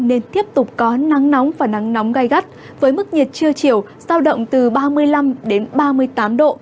nên tiếp tục có nắng nóng và nắng nóng gai gắt với mức nhiệt trưa chiều sao động từ ba mươi năm đến ba mươi tám độ